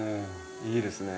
いいですね。